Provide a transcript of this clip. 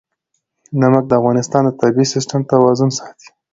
نمک د افغانستان د طبعي سیسټم توازن ساتي.